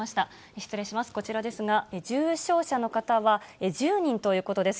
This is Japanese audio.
失礼します、こちらですが、重症者の方は１０人ということです。